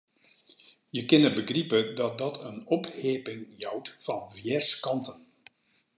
Jim kinne begripe dat dat in opheapping jout fan wjerskanten.